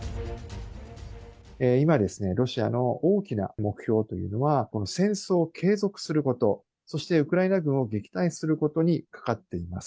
今ですね、ロシアの大きな目標というのは、戦争を継続すること、そしてウクライナ軍を撃退することにかかっています。